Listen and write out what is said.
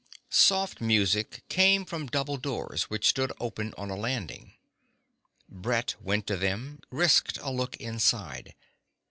Soft music came from double doors which stood open on a landing. Brett went to them, risked a look inside.